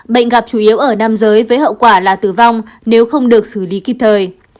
bệnh gặp chủ yếu ở nam giới với hậu quả là tử vong nếu không được xử lý kịp thời